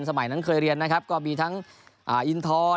สมัยนั้นเคยเรียนนะครับก็มีทั้งอินทร